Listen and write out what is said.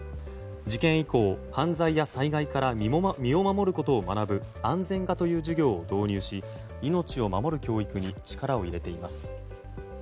事件以降、犯罪や災害から身を守ることを学ぶ安全科という授業を導入し命を守る教育に力を入れています。